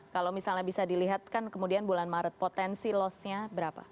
kalau misalnya bisa dilihatkan kemudian bulan maret potensi loss nya berapa